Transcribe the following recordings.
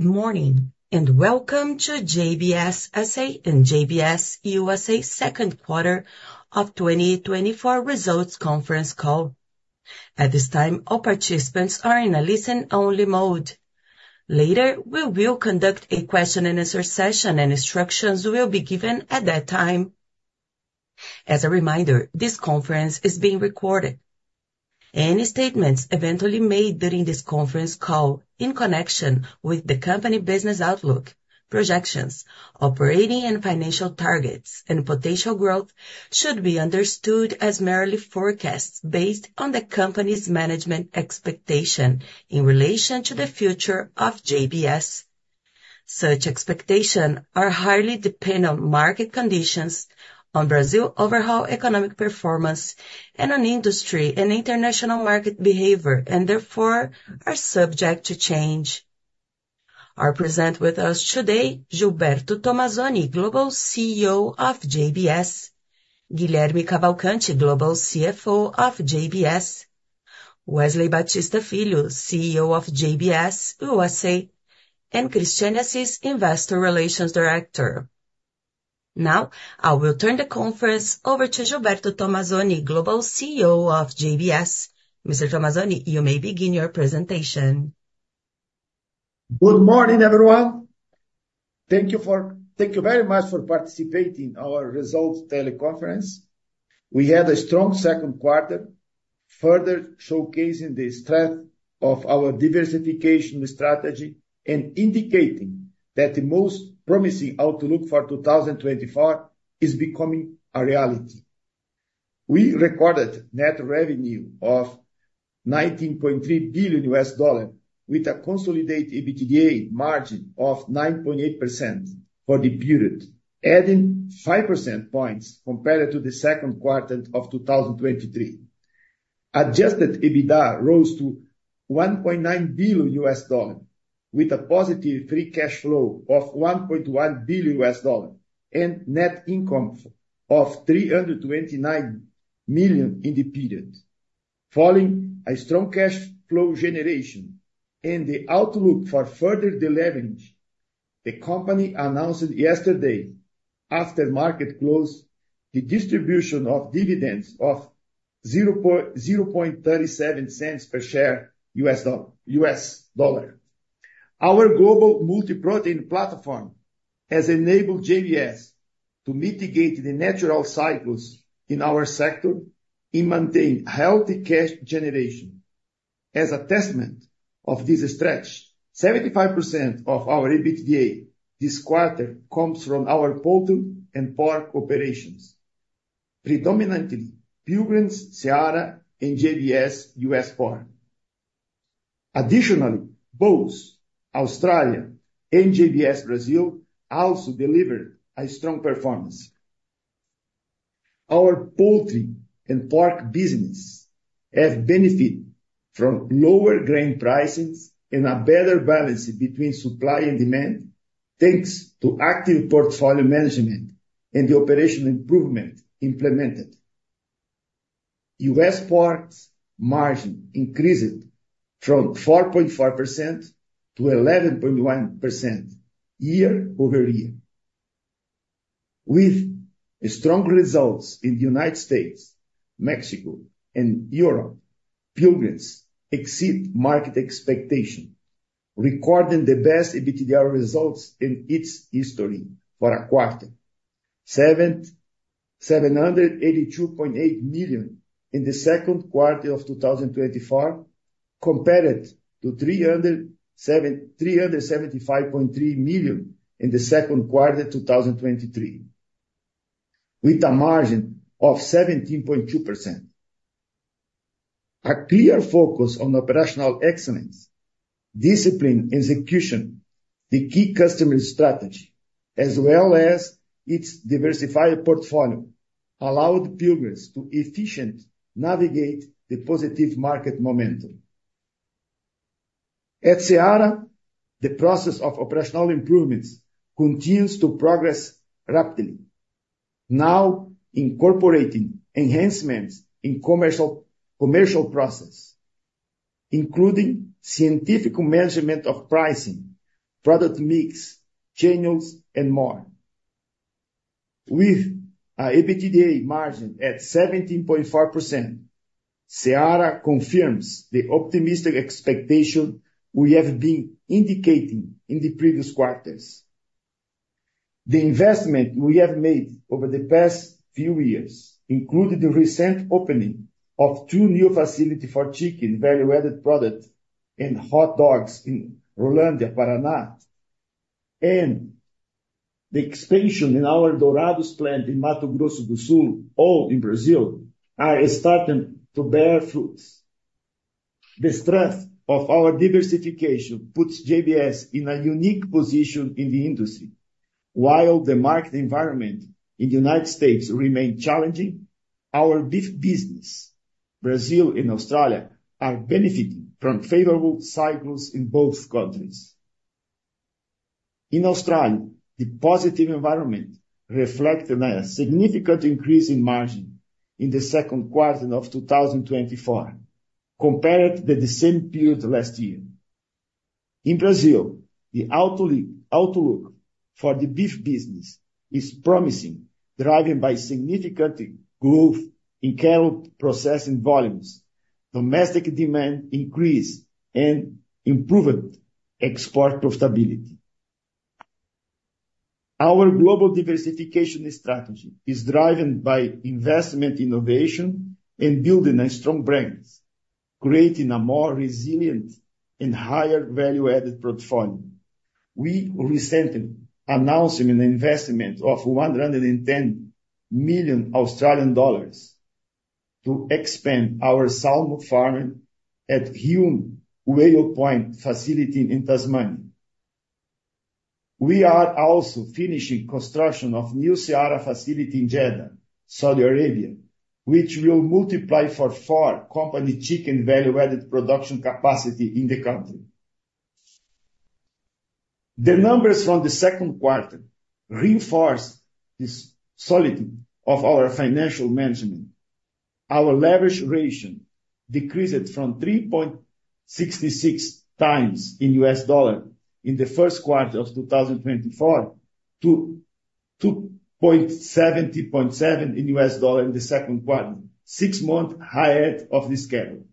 Good morning, and welcome to JBS S.A. and JBS USA second quarter of 2024 results conference call. At this time, all participants are in a listen-only mode. Later, we will conduct a question and answer session, and instructions will be given at that time. As a reminder, this conference is being recorded. Any statements eventually made during this conference call in connection with the company business outlook, projections, operating and financial targets, and potential growth should be understood as merely forecasts based on the company's management expectation in relation to the future of JBS. Such expectation are highly dependent on market conditions, on Brazil overall economic performance, and on industry and international market behavior, and therefore, are subject to change. Are present with us today, Gilberto Tomazoni, Global CEO of JBS, Guilherme Cavalcanti, Global CFO of JBS, Wesley Batista Filho, CEO of JBS USA, and Christiane Assis, Investor Relations Director. Now, I will turn the conference over to Gilberto Tomazoni, Global CEO of JBS. Mr. Tomazoni, you may begin your presentation. Good morning, everyone. Thank you very much for participating in our results teleconference. We had a strong second quarter, further showcasing the strength of our diversification strategy and indicating that the most promising outlook for 2024 is becoming a reality. We recorded net revenue of $19.3 billion, with a consolidated EBITDA margin of 9.8% for the period, adding five percentage points compared to the second quarter of 2023. Adjusted EBITDA rose to $1.9 billion, with a positive free cash flow of $1.1 billion and net income of $329 million in the period. Following a strong cash flow generation and the outlook for further deleveraging, the company announced yesterday, after market close, the distribution of dividends of $0.037 per share, U.S. dollar. Our global multi-protein platform has enabled JBS to mitigate the natural cycles in our sector and maintain healthy cash generation. As a testament to this strength, 75% of our EBITDA this quarter comes from our poultry and pork operations, predominantly Pilgrim's, Seara, and JBS U.S. Pork. Additionally, JBS Australia, and JBS Brazil also delivered a strong performance. Our poultry and pork business have benefited from lower grain prices and a better balance between supply and demand, thanks to active portfolio management and the operational improvement implemented. U.S. Pork's margin increased from 4.4%-11.1% year-over-year. With strong results in the United States, Mexico, and Europe, Pilgrim's exceed market expectation, recording the best EBITDA results in its history for a quarter. $782.8 million in the second quarter of 2024, compared to $375.3 million in the second quarter, 2023, with a margin of 17.2%. A clear focus on operational excellence, discipline, execution, the key customer strategy, as well as its diversified portfolio, allowed Pilgrim's to efficiently navigate the positive market momentum. At Seara, the process of operational improvements continues to progress rapidly, now incorporating enhancements in commercial process, including scientific measurement of pricing, product mix, channels, and more. With our EBITDA margin at 17.4%, Seara confirms the optimistic expectation we have been indicating in the previous quarters. The investment we have made over the past few years, including the recent opening of two new facility for chicken, value-added product and hot dogs in Rolândia, Paraná, and the expansion in our Dourados plant in Mato Grosso do Sul, all in Brazil, are starting to bear fruits. The strength of our diversification puts JBS in a unique position in the industry. While the market environment in the United States remain challenging, our beef business, Brazil and Australia, are benefiting from favorable cycles in both countries. In Australia, the positive environment reflected a significant increase in margin in the second quarter of 2024, compared to the same period last year. In Brazil, the outlook for the beef business is promising, driven by significant growth in cattle processing volumes, domestic demand increase, and improved export profitability. Our global diversification strategy is driven by investment innovation and building strong brands, creating a more resilient and higher value-added portfolio. We recently announcing an investment of 110 million Australian dollars to expand our salmon farming at Huon Whale Point facility in Tasmania. We are also finishing construction of new Seara facility in Jeddah, Saudi Arabia, which will multiply for four company chicken value-added production capacity in the country. The numbers from the second quarter reinforce the solidity of our financial management. Our leverage ratio decreased from 3.66x in U.S. dollar in the first quarter of 2024, to 2.77x in U.S. dollar in the second quarter, six-month ahead of the schedule.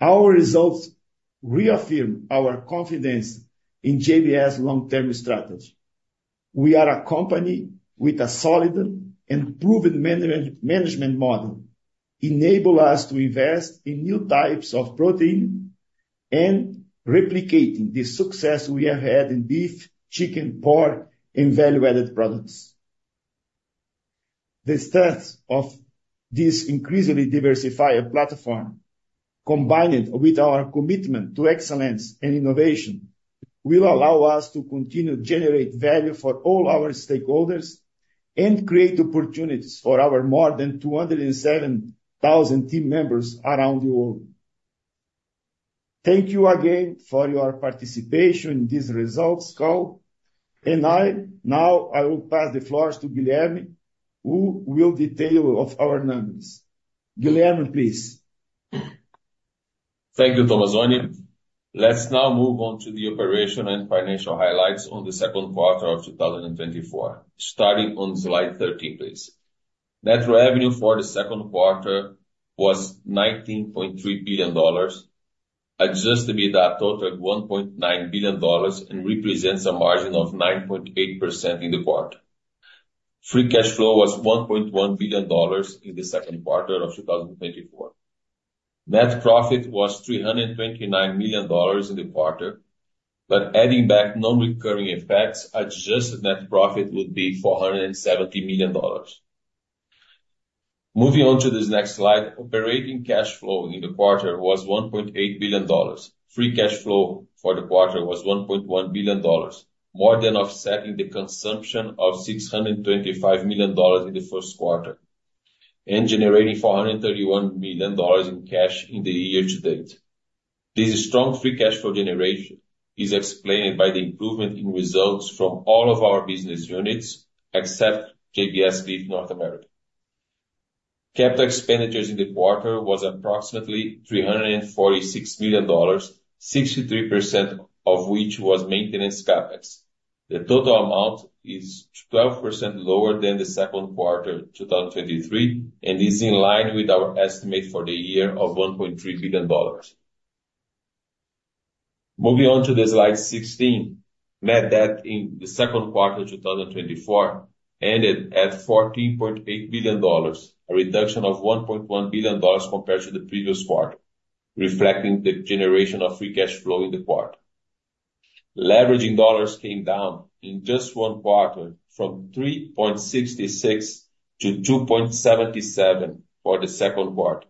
Our results reaffirm our confidence in JBS' long-term strategy. We are a company with a solid and proven management model, enable us to invest in new types of protein and replicating the success we have had in beef, chicken, pork, and value-added products. The strength of this increasingly diversified platform, combined with our commitment to excellence and innovation, will allow us to continue to generate value for all our stakeholders and create opportunities for our more than 207,000 team members around the world. Thank you again for your participation in this results call, and now, I will pass the floor to Guilherme, who will detail our numbers. Guilherme, please. Thank you, Tomazoni. Let's now move on to the operational and financial highlights on the second quarter of 2024, starting on slide 13, please. Net revenue for the second quarter was $19.3 billion, adjusted EBITDA totaled $1.9 billion, and represents a margin of 9.8% in the quarter. Free cash flow was $1.1 billion in the second quarter of 2024. Net profit was $329 million in the quarter, but adding back non-recurring effects, adjusted net profit would be $470 million. Moving on to this next slide. Operating cash flow in the quarter was $1.8 billion. Free cash flow for the quarter was $1.1 billion, more than offsetting the consumption of $625 million in the first quarter, and generating $431 million in cash in the year to date. This strong free cash flow generation is explained by the improvement in results from all of our business units, except JBS Beef North America. Capital expenditures in the quarter was approximately $346 million, 63% of which was maintenance CapEx. The total amount is 12% lower than the second quarter, 2023, and is in line with our estimate for the year of $1.3 billion. Moving on to slide 16, net debt in the second quarter of 2024 ended at $14.8 billion, a reduction of $1.1 billion compared to the previous quarter, reflecting the generation of free cash flow in the quarter. Leverage in dollars came down in just one quarter from $3.66-$2.77 for the second quarter.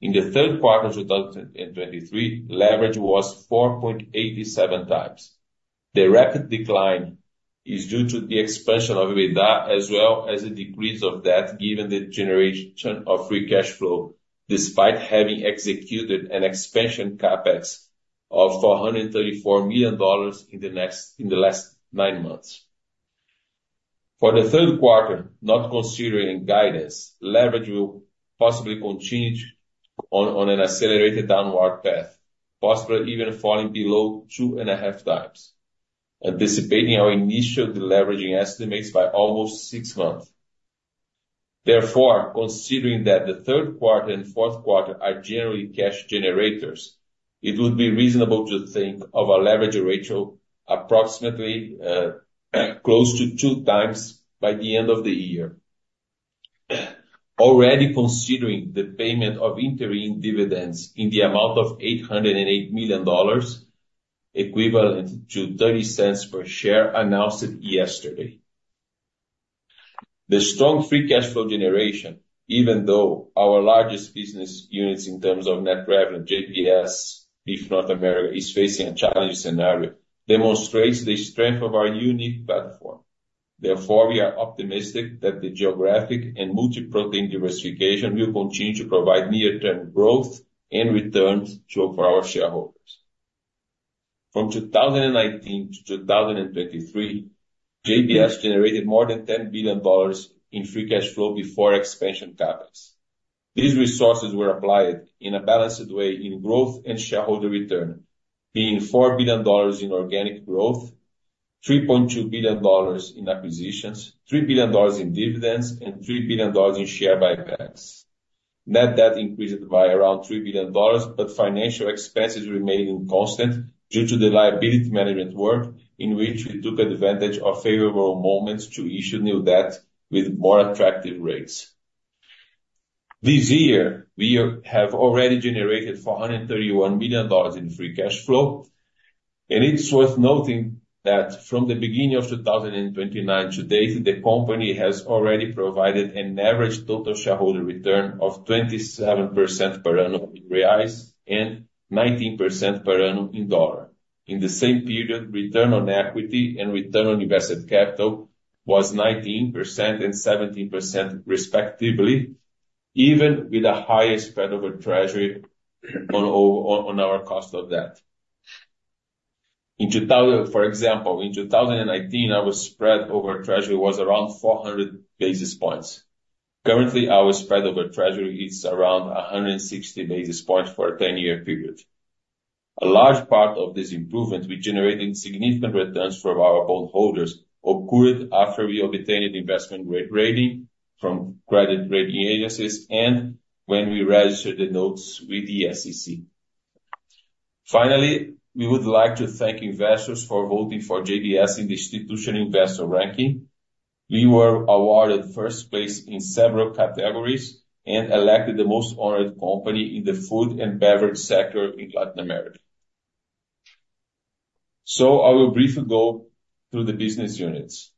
In the third quarter of 2023, leverage was 4.87x. The rapid decline is due to the expansion of EBITDA, as well as a decrease of debt, given the generation of free cash flow, despite having executed an expansion CapEx of $434 million in the last nine months. For the third quarter, not considering guidance, leverage will possibly continue on an accelerated downward path, possibly even falling below 2.5x, anticipating our initial deleveraging estimates by almost six months. Therefore, considering that the third quarter and fourth quarter are generally cash generators, it would be reasonable to think of a leverage ratio approximately close to 2x by the end of the year. Already considering the payment of interim dividends in the amount of $808 million, equivalent to $0.30 per share, announced yesterday. The strong free cash flow generation, even though our largest business units in terms of net revenue, JBS Beef North America, is facing a challenging scenario, demonstrates the strength of our unique platform. Therefore, we are optimistic that the geographic and multi-protein diversification will continue to provide near-term growth and returns to our shareholders. From 2019-2023, JBS generated more than $10 billion in free cash flow before expansion CapEx. These resources were applied in a balanced way in growth and shareholder return, being $4 billion in organic growth, $3.2 billion in acquisitions, $3 billion in dividends, and $3 billion in share buybacks. Net debt increased by around $3 billion, but financial expenses remained constant due to the liability management work, in which we took advantage of favorable moments to issue new debt with more attractive rates. This year, we have already generated $431 million in free cash flow, and it's worth noting that from the beginning of 2029 to date, the company has already provided an average total shareholder return of 27% per annum in BRL and 19% per annum in USD. In the same period, return on equity and return on invested capital was 19% and 17%, respectively, even with a higher spread over treasury on our cost of debt. For example, in 2019, our spread over treasury was around 400 basis points. Currently, our spread over treasury is around 160 basis points for a 10-year period. A large part of this improvement, we generated significant returns from our stockholders, occurred after we obtained an investment grade rating from credit rating agencies and when we registered the notes with the SEC. Finally, we would like to thank investors for voting for JBS in the Institutional Investor ranking. We were awarded first place in several categories and elected the Most Honored Company in the Food and Beverage Sector in Latin America. I will briefly go through the business units.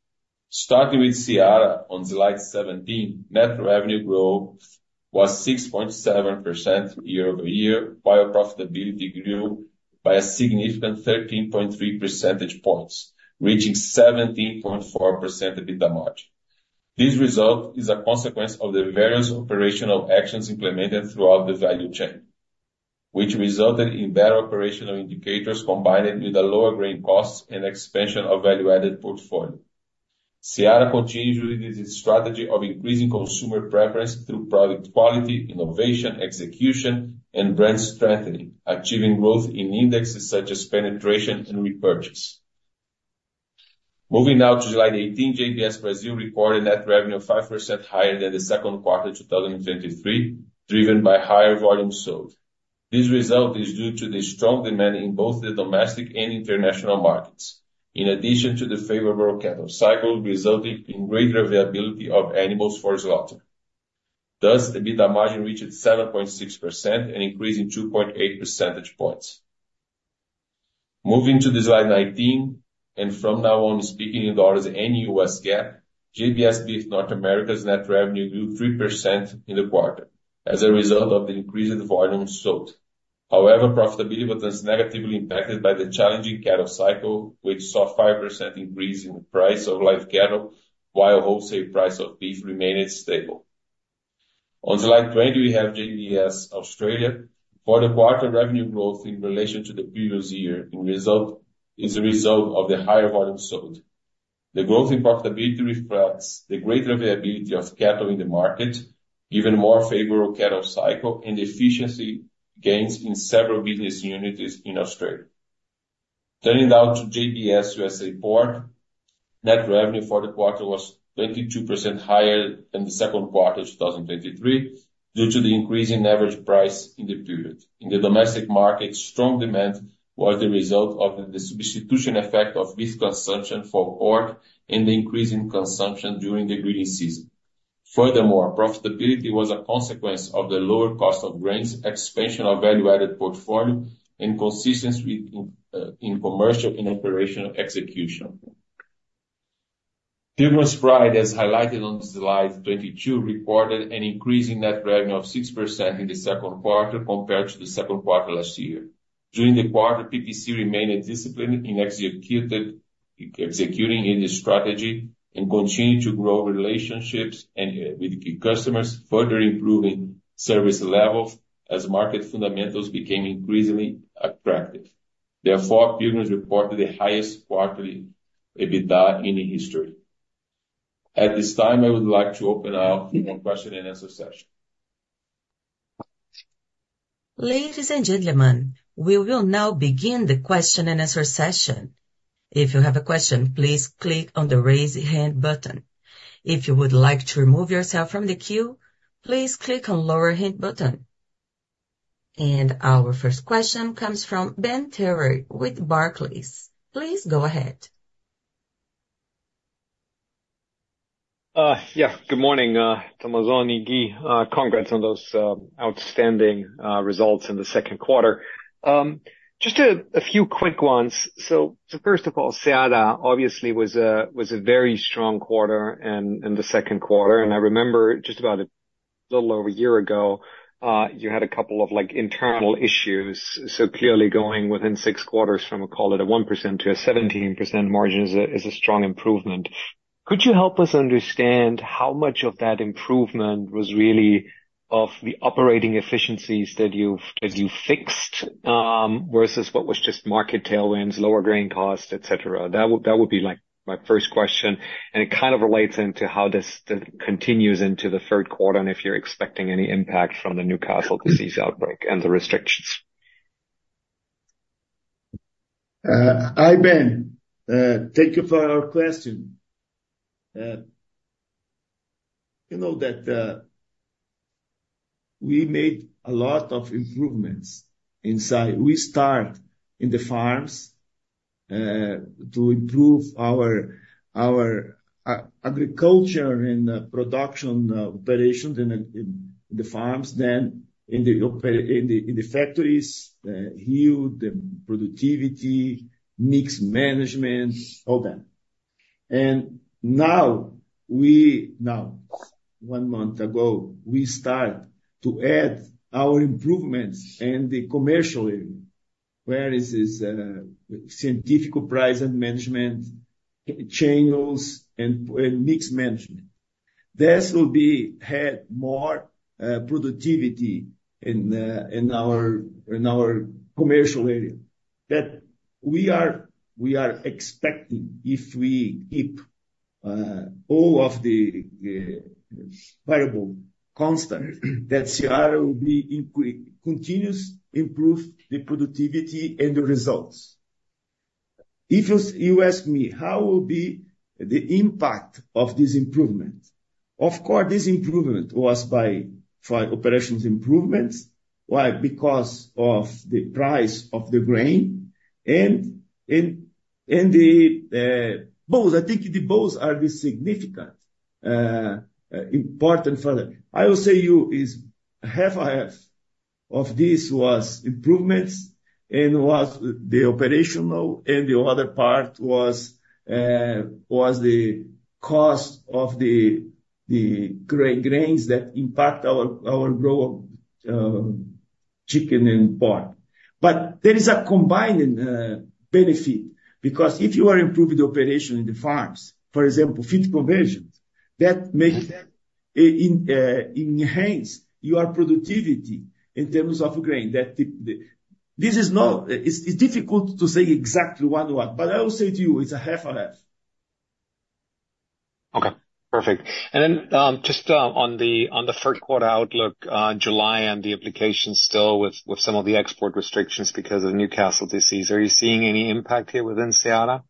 Starting with Seara on slide 17, net revenue growth was 6.7% year-over-year, while profitability grew by a significant 13.3 percentage points, reaching 17.4% EBITDA margin. This result is a consequence of the various operational actions implemented throughout the value chain, which resulted in better operational indicators, combined with a lower grain cost and expansion of value-added portfolio. Seara continues with its strategy of increasing consumer preference through product quality, innovation, execution, and brand strengthening, achieving growth in indexes such as penetration and repurchase. Moving now to slide 18, JBS Brazil recorded net revenue of 5% higher than the second quarter of 2023, driven by higher volume sold. This result is due to the strong demand in both the domestic and international markets, in addition to the favorable cattle cycle, resulting in greater availability of animals for slaughter. Thus, the EBITDA margin reached 7.6%, an increase in 2.8 percentage points. Moving to the slide 19, and from now on, speaking in dollars and in U.S. GAAP, JBS Beef North America's net revenue grew 3% in the quarter as a result of the increased volume sold. However, profitability was negatively impacted by the challenging cattle cycle, which saw 5% increase in the price of live cattle, while wholesale price of beef remained stable. On slide 20, we have JBS Australia. For the quarter, revenue growth in relation to the previous year is a result of the higher volume sold. The growth in profitability reflects the greater availability of cattle in the market, even more favorable cattle cycle, and efficiency gains in several business units in Australia. Turning now to JBS USA Pork, net revenue for the quarter was 22% higher than the second quarter of 2023, due to the increase in average price in the period. In the domestic market, strong demand was a result of the substitution effect of beef consumption for pork and the increase in consumption during the grilling season. Furthermore, profitability was a consequence of the lower cost of grains, expansion of value-added portfolio, and consistency in commercial and operational execution. Pilgrim's Pride, as highlighted on the slide 22, recorded an increase in net revenue of 6% in the second quarter compared to the second quarter last year. During the quarter, PPC remained disciplined in executing in the strategy and continued to grow relationships with customers, further improving service levels as market fundamentals became increasingly attractive. Therefore, Pilgrim's reported the highest quarterly EBITDA in history. At this time, I would like to open up for question and answer session. Ladies and gentlemen, we will now begin the question-and-answer session. If you have a question, please click on the Raise Hand button. If you would like to remove yourself from the queue, please click on Lower Hand button. Our first question comes from Ben Theurer with Barclays. Please go ahead. Yeah, good morning, Gilberto Tomazoni. Congrats on those outstanding results in the second quarter. Just a few quick ones. So first of all, Seara obviously was a very strong quarter in the second quarter, and I remember just about a little over a year ago, you had a couple of, like, internal issues. So clearly going within six quarters from, call it a 1% to a 17% margin is a strong improvement. Could you help us understand how much of that improvement was really of the operating efficiencies that you've, as you fixed, versus what was just market tailwinds, lower grain costs, etc? That would, that would be like my first question, and it kind of relates into how this then continues into the third quarter, and if you're expecting any impact from the Newcastle disease outbreak and the restrictions? Hi, Ben. Thank you for your question. You know that we made a lot of improvements inside. We start in the farms to improve our agriculture and production operations in the farms, then in the factories here, the productivity, mix management, all that. Now, one month ago, we start to add our improvements and the commercially, where is this scientific price and management channels and mix management. This will be had more productivity in our commercial area. That we are expecting if we keep all of the variable constant, that Seara will be continuous improve the productivity and the results. If you ask me, how will be the impact of this improvement? Of course, this improvement was by operations improvements. Why? Because of the price of the grain and the both. I think the both are the significant important factor. I will say you, it is 50/50 of this was improvements, and was the operational, and the other part was the cost of the grains that impact our grow chicken and pork. But there is a combined benefit, because if you are improving the operation in the farms, for example, feed conversions, that make in enhance your productivity in terms of grain. It's difficult to say exactly one, but I will say to you, it's 50/50. Okay, perfect. And then, just, on the third quarter outlook, July, and the implications still with some of the export restrictions because of the Newcastle disease, are you seeing any impact here within Seara?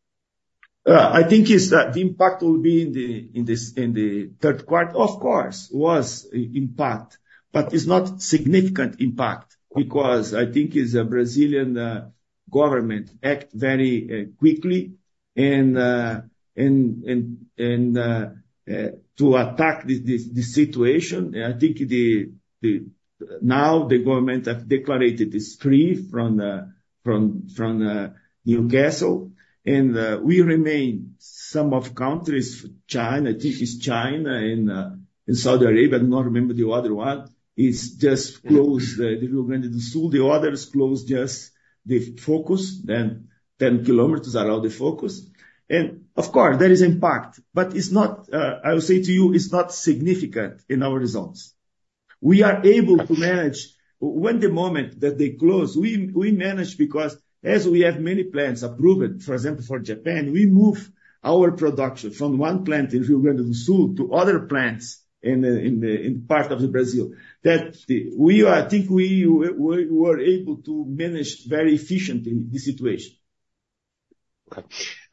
I think the impact will be in this third quarter. Of course, was impact, but it's not significant impact, because I think is a Brazilian government act very quickly and to attack this situation. I think now the government have declared it is free from Newcastle, and we remain some of countries, China, I think it's China, and Saudi Arabia, I don't remember the other one, is just close the Rio Grande do Sul. The others closed just the focus, then 10km around the focus. And of course, there is impact, but it's not, I will say to you, it's not significant in our results. We are able to manage. When the moment that they close, we manage because as we have many plants approved, for example, for Japan, we move our production from one plant in Rio Grande do Sul to other plants in part of Brazil. That we were, I think, able to manage very efficiently the situation. Okay.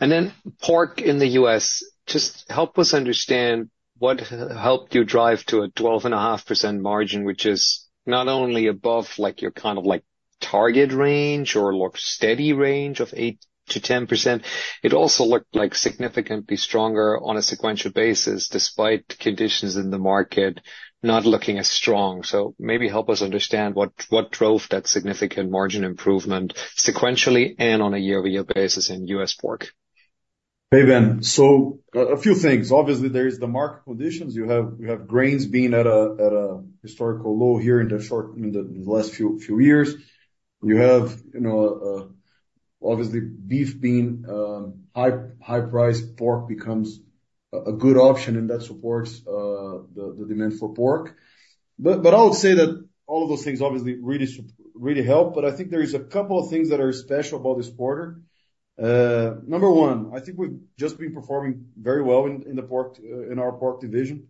And then pork in the U.S., just help us understand what helped you drive to a 12.5% margin, which is not only above, like, your kind of like target range or more steady range of 8%-10%. It also looked, like, significantly stronger on a sequential basis, despite conditions in the market not looking as strong. So maybe help us understand what, what drove that significant margin improvement sequentially and on a year-over-year basis in U.S. pork. Hey, Ben. So a few things. Obviously, there is the market conditions. You have grains being at a historical low here in the short, in the last few years. You have, you know, obviously, beef being high-priced pork becomes a good option, and that supports the demand for pork. But I would say that all of those things obviously really help, but I think there is a couple of things that are special about this quarter. Number one, I think we've just been performing very well in the pork, in our pork division.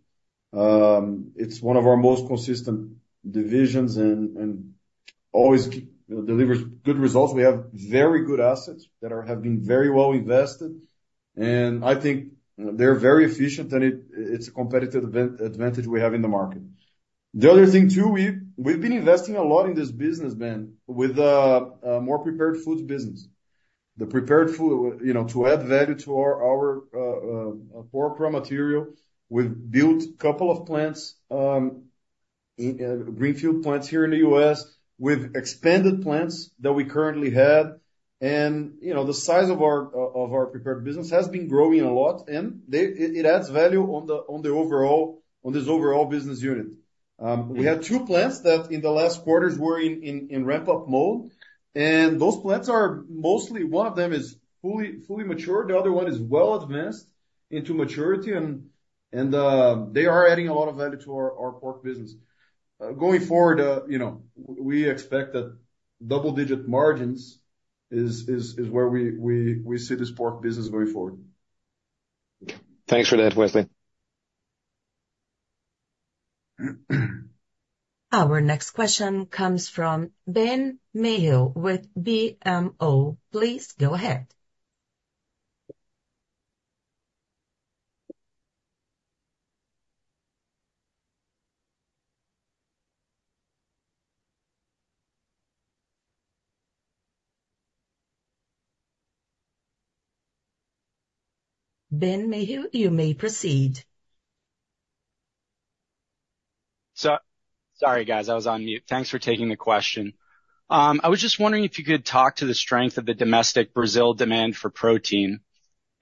It's one of our most consistent divisions and always delivers good results. We have very good assets that have been very well invested, and I think they're very efficient, and it's a competitive advantage we have in the market. The other thing, too, we've been investing a lot in this business, Ben, with the more prepared foods business. The prepared food, you know, to add value to our pork raw material, we've built a couple of plants, in greenfield plants here in the U.S. We've expanded plants that we currently have. And, you know, the size of our of our prepared business has been growing a lot, and it adds value on the overall, on this overall business unit. We have two plants that in the last quarters were in ramp-up mode, and those plants are mostly, one of them is fully mature, the other one is well advanced into maturity, and they are adding a lot of value to our pork business. Going forward, you know, we expect that double-digit margins is where we see this pork business going forward. Thanks for that, Wesley. Our next question comes from Ben Mayhew with BMO. Please go ahead. Ben Mayhew, you may proceed. Sorry, guys, I was on mute. Thanks for taking the question. I was just wondering if you could talk to the strength of the domestic Brazil demand for protein,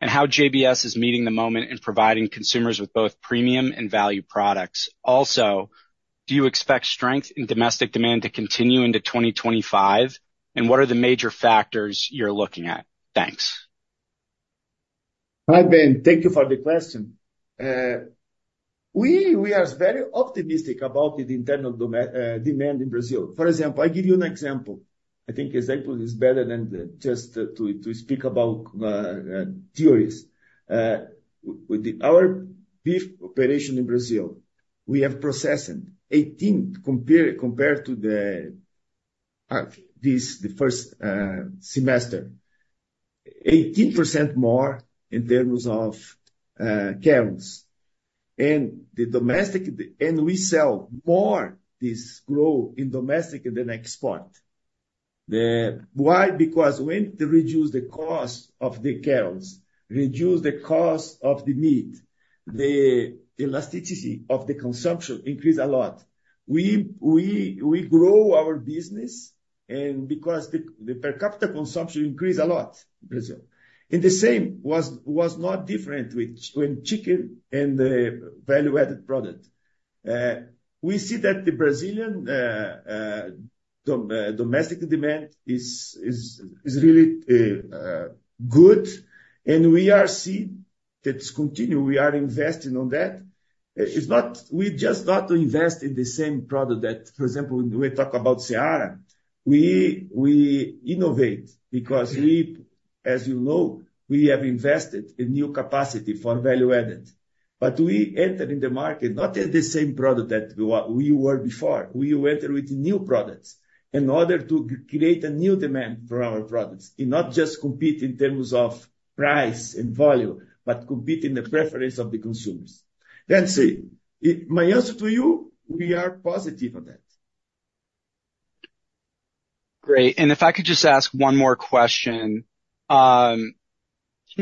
and how JBS is meeting the moment and providing consumers with both premium and value products. Also, do you expect strength in domestic demand to continue into 2025? And what are the major factors you're looking at? Thanks. Hi, Ben. Thank you for the question. We are very optimistic about the internal demand in Brazil. For example, I give you an example. I think example is better than just to speak about theories. With our beef operation in Brazil, we have processed 18% more compared to the first semester in terms of cows. And the domestic – and we sell more this growth in domestic than export. Why? Because when they reduce the cost of the cows, reduce the cost of the meat, the elasticity of the consumption increase a lot. We grow our business, and because the per capita consumption increase a lot in Brazil. And the same was not different with chicken and the value-added product. We see that the Brazilian domestic demand is really good, and we are see that's continue. We are investing on that. It's not -- we just not to invest in the same product that, for example, when we talk about Seara, we innovate because we, as you know, we have invested in new capacity for value added. But we enter in the market, not in the same product that we were before. We enter with new products in order to create a new demand for our products, and not just compete in terms of price and volume, but compete in the preference of the consumers. That's it. My answer to you, we are positive on that. Great. If I could just ask one more question. Can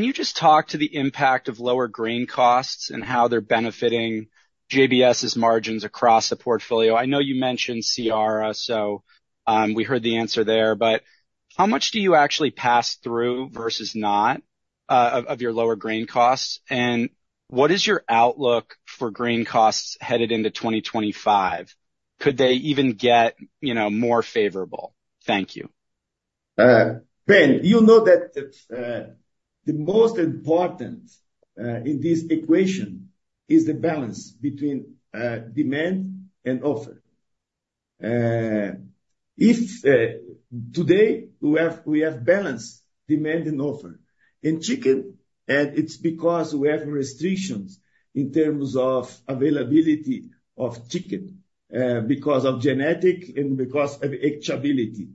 you just talk to the impact of lower grain costs and how they're benefiting JBS's margins across the portfolio? I know you mentioned Seara, so, we heard the answer there, but how much do you actually pass through versus not, of your lower grain costs? And what is your outlook for grain costs headed into 2025? Could they even get, you know, more favorable? Thank you. Ben, you know that, the most important, in this equation is the balance between, demand and offer. If today, we have, we have balanced demand and offer in chicken, and it's because we have restrictions in terms of availability of chicken, because of genetic and because of hatchability.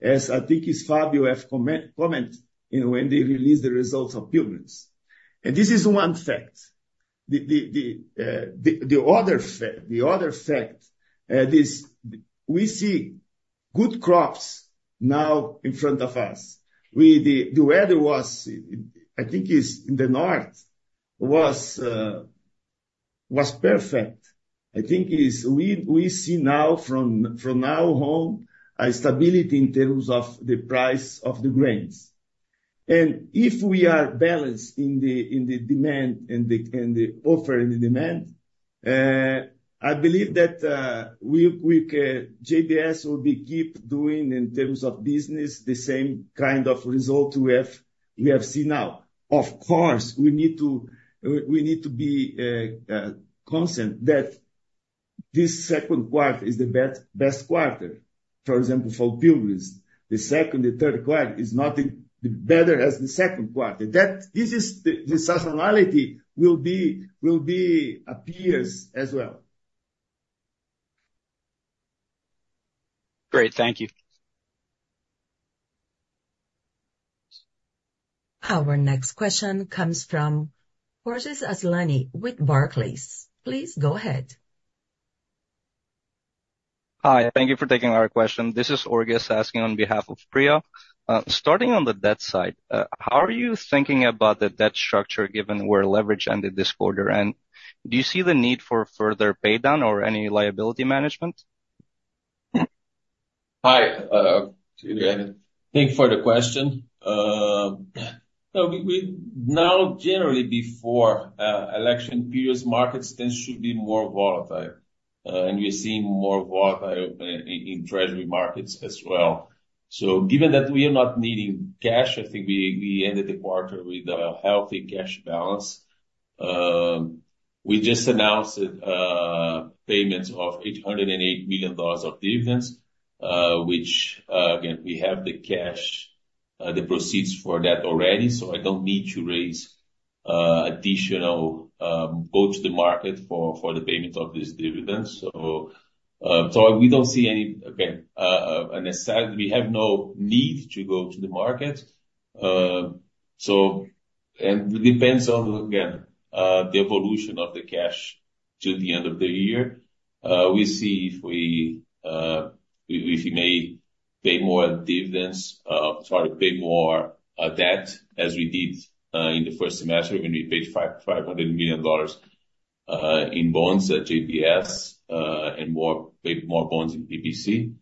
As I think it's Fabio have comment, you know, when they released the results of Pilgrim's. And this is one fact. The other fact, is we see good crops now in front of us. The weather was, I think is in the north, was, was perfect. I think is we, we see now from, from now on, a stability in terms of the price of the grains. If we are balanced in the offer and the demand, I believe that we JBS will be keep doing in terms of business the same kind of result we have seen now. Of course, we need to be constant that this second quarter is the best quarter. For example, for Pilgrim’s the second and third quarter is not the better as the second quarter. That this is the seasonality will be appears as well. Great, thank you. Our next question comes from Orges Asllani with Barclays. Please go ahead. Hi, thank you for taking our question. This is Orges asking on behalf of Priya. Starting on the debt side, how are you thinking about the debt structure, given where leverage ended this quarter? And do you see the need for further pay down or any liability management? Hi, thank you for the question. So we now, generally, before election periods, markets then should be more volatile, and we are seeing more volatile in treasury markets as well. So given that we are not needing cash, I think we ended the quarter with a healthy cash balance. We just announced that payments of $808 million of dividends, which, again, we have the cash, the proceeds for that already, so I don't need to raise additional go to the market for the payment of this dividends. So we don't see any, again, a necessity. We have no need to go to the market. So, and it depends on, again, the evolution of the cash to the end of the year. We see if we, if, if we may pay more dividends, sorry, pay more, debt, as we did, in the first semester when we paid $500 million in bonds at JBS, and more paid more bonds in BBC.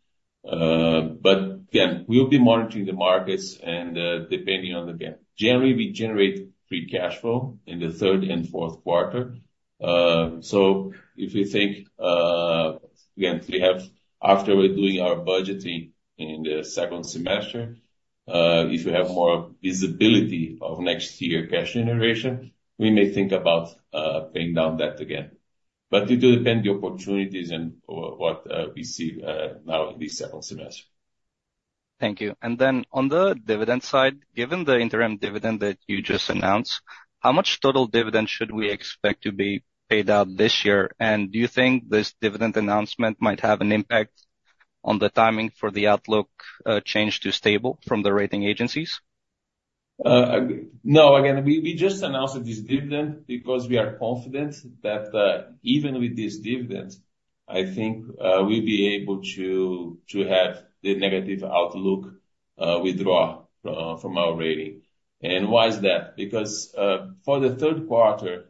But again, we'll be monitoring the markets and, depending on the gap. Generally, we generate free cash flow in the third and fourth quarter. So if we think, again, After we're doing our budgeting in the second semester, if you have more visibility of next year cash generation, we may think about, paying down debt again. But it will depend the opportunities and what, we see, now in this second semester. Thank you. And then on the dividend side, given the interim dividend that you just announced, how much total dividend should we expect to be paid out this year? And do you think this dividend announcement might have an impact on the timing for the outlook, change to stable from the rating agencies? No. Again, we just announced this dividend because we are confident that even with this dividend, I think, we'll be able to have the negative outlook withdraw from our rating. And why is that? Because for the third quarter,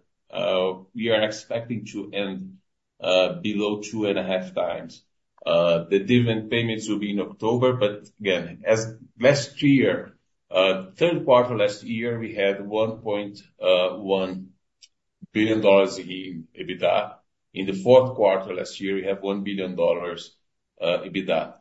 we are expecting to end below 2.5x. The dividend payments will be in October, but again, as last year, third quarter, last year, we had $1.1 billion in EBITDA. In the fourth quarter, last year, we had $1 billion EBITDA.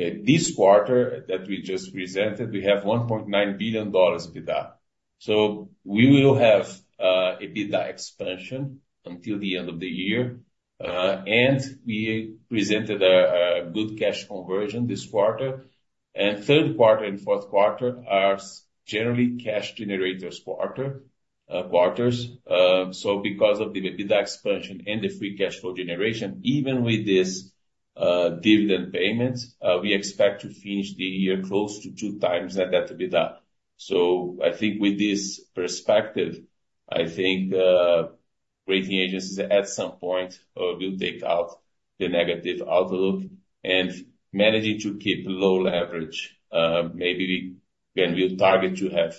Okay, this quarter that we just presented, we have $1.9 billion EBITDA. So we will have EBITDA expansion until the end of the year. And we presented a good cash conversion this quarter, and third quarter and fourth quarter are generally cash generator quarters. So because of the EBITDA expansion and the free cash flow generation, even with this dividend payments, we expect to finish the year close to 2x that EBITDA. So I think with this perspective, I think, rating agencies, at some point, will take out the negative outlook and managing to keep low leverage, maybe we'll target to have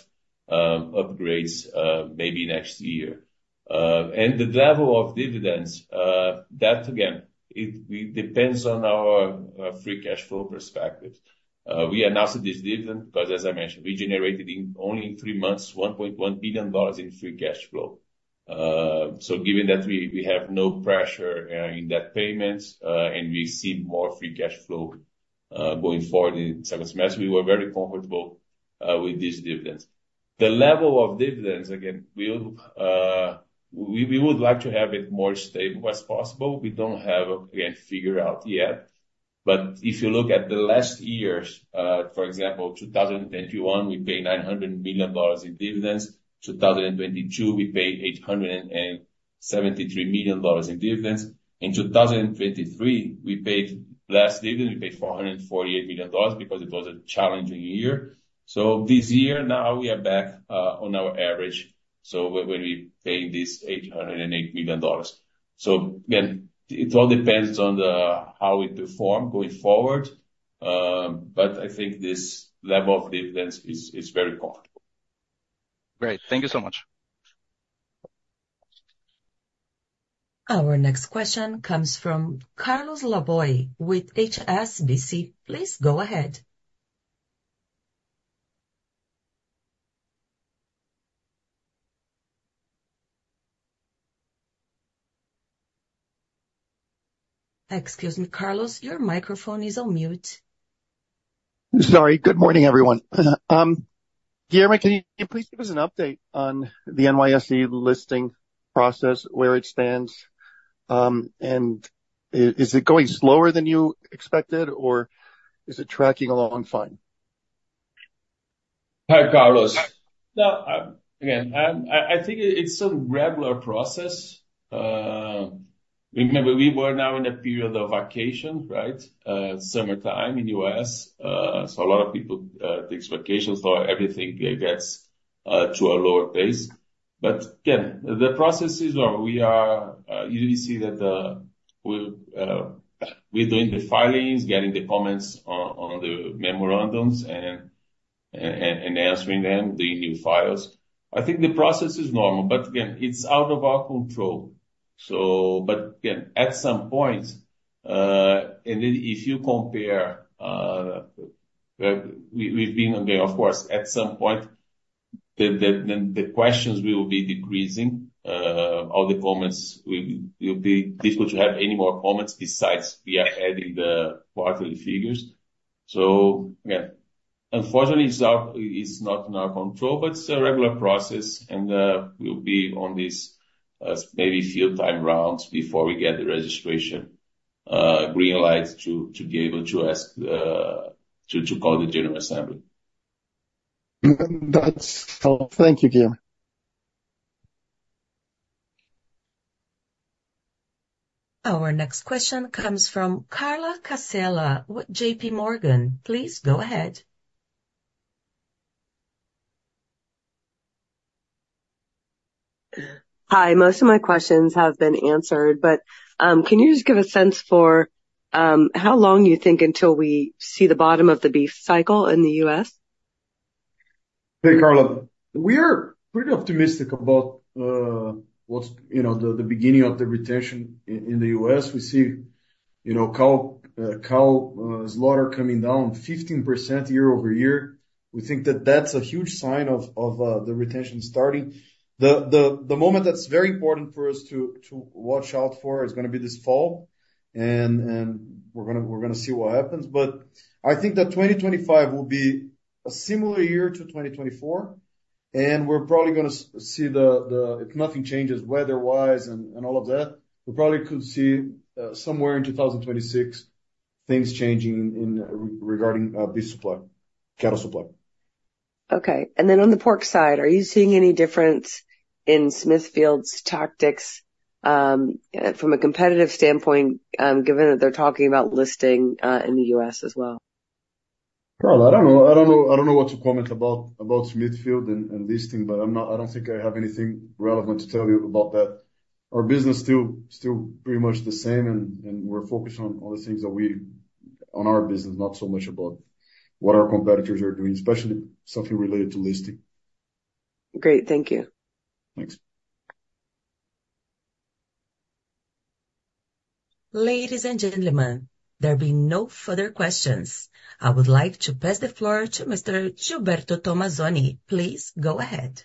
upgrades, maybe next year. And the level of dividends, that, again, it depends on our free cash flow perspective. We announced this dividend, because, as I mentioned, we generated in only three months, $1.1 billion in free cash flow. So given that we have no pressure in that payments and we see more free cash flow going forward in second semester, we were very comfortable with this dividends. The level of dividends, again, we'll we would like to have it more stable as possible. We don't have, again, figured out yet. But if you look at the last years, for example, 2021, we paid $900 million in dividends. 2022, we paid $873 million in dividends. In 2023, we paid less dividends. We paid $448 million because it was a challenging year. So this year, now we are back on our average. So when we pay this $808 million. So again, it all depends on how it perform going forward, but I think this level of dividends is very comfortable. Great. Thank you so much. Our next question comes from Carlos Laboy with HSBC. Please go ahead. Excuse me, Carlos, your microphone is on mute. Sorry. Good morning, everyone. Guilherme, can you please give us an update on the NYSE listing process, where it stands, and is it going slower than you expected, or is it tracking along fine? Hi, Carlos. No, again, I think it's a regular process. Remember, we were now in a period of vacation, right? Summertime in U.S., so a lot of people takes vacations, so everything gets to a lower pace. But again, the process is on. We are, you see that, we'll, we're doing the filings, getting the comments on the memorandums, and answering them, the new filings. I think the process is normal, but again, it's out of our control. But again, at some point, and then if you compare, we've been on there, of course. At some point, then the questions will be decreasing. All the comments will be difficult to have any more comments, besides we are adding the quarterly figures. So yeah, unfortunately, it's not in our control, but it's a regular process, and we'll be on this as maybe few time rounds before we get the registration green light to be able to ask to call the general assembly. That's all. Thank you, Guilherme. Our next question comes from Carla Casella with JPMorgan. Please go ahead. Hi. Most of my questions have been answered, but, can you just give a sense for, how long you think until we see the bottom of the beef cycle in the U.S.? Hey, Carla. We are pretty optimistic about, you know, the beginning of the retention in the U.S. We see, you know, cow slaughter coming down 15% year-over-year. We think that that's a huge sign of the retention starting. The moment that's very important for us to watch out for is gonna be this fall, and we're gonna see what happens. But I think that 2025 will be a similar year to 2024, and we're probably gonna see the, if nothing changes weather-wise and all of that, we probably could see, somewhere in 2026, things changing regarding beef supply, cattle supply. Okay. And then on the pork side, are you seeing any difference in Smithfield's tactics, from a competitive standpoint, given that they're talking about listing in the U.S. as well? Well, I don't know what to comment about Smithfield and listing, but I don't think I have anything relevant to tell you about that. Our business still pretty much the same, and we're focused on all the things that we... on our business, not so much about what our competitors are doing, especially something related to listing. Great. Thank you. Thanks. Ladies and gentlemen, there being no further questions, I would like to pass the floor to Mr. Gilberto Tomazoni. Please go ahead.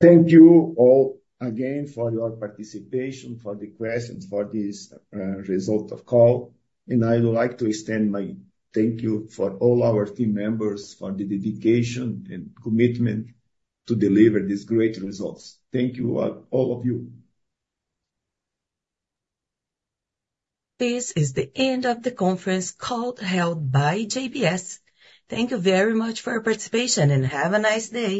Thank you all again for your participation, for the questions, for this result of call. I would like to extend my thank you for all our team members for the dedication and commitment to deliver these great results. Thank you, all, all of you. This is the end of the conference call held by JBS. Thank you very much for your participation, and have a nice day.